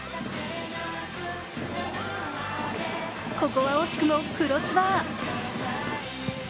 ここは惜しくもクロスバー。